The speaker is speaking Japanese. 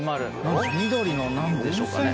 緑の何でしょうかね。